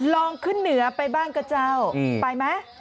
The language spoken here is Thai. ลองขึ้นเหนือไปบ้างก็เจ้าไปไหม